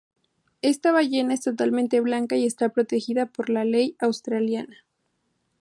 Esta ballena es totalmente blanca y está protegida por la ley australiana.